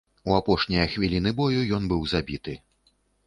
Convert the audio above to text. У апошнія хвіліны бою ён быў забіты.